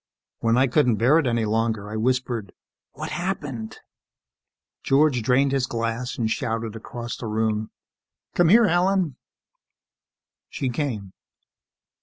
When I couldn't bear it any longer, I whispered, "What happened?" George drained his glass and shouted across the room, "Come here, Helen!" She came.